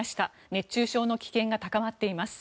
熱中症の危険が高まっています。